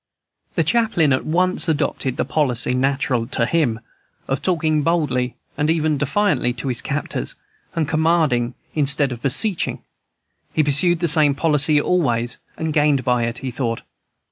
The chaplain at once adopted the policy, natural to him, of talking boldly and even defiantly to his captors, and commanding instead of beseeching. He pursued the same policy always and gained by it, he thought.